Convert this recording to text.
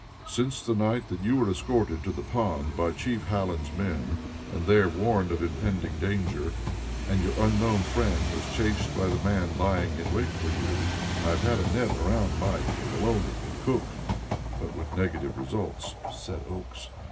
Since the night that you were escorted to the pond by Chief Hallen's men and there warned of impending danger, and your unknown friend was chased by the man lying in wait for you, I have had a net around Mike and Maloney and Cook, but with negative results," said Oakes.